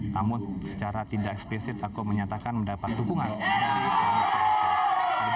namun secara tidak eksplisit aku menyatakan mendapat dukungan dari tommy soeharto